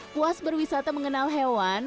puas berwisata mengenal hewan